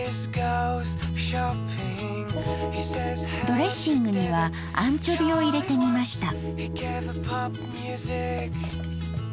ドレッシングにはアンチョビを入れてみました。